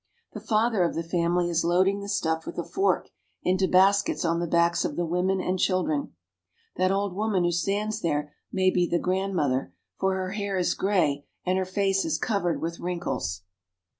The father of the family is loading the stuff with a fork into baskets on the backs of the women and children. That old woman who stands there may be the Swiss Vineyard. grandmother, for her hair is gray, and her face is covered with wrinkles.